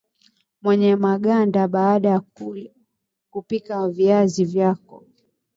menya maganda baada kupika viazi vyako